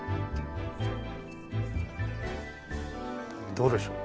どうでしょう？